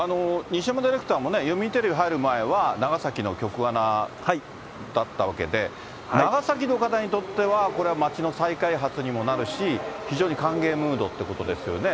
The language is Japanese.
西山ディレクターもね、読売テレビ入る前は長崎の局アナだったわけで、長崎の方にとっては、これは街の再開発にもなるし、非常に歓迎ムードってことですよね。